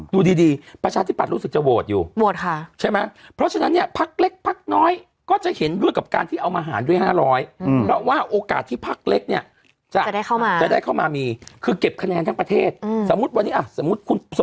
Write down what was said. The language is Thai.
ดูดีประชาชนิดปันดิ์รู้สึกจะโวทอยู่